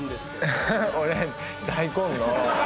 俺大根の。